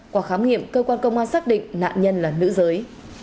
qua khám nghiệm cơ quan công an xác định nạn nhân là nữ giới